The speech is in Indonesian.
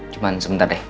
cuman sebentar deh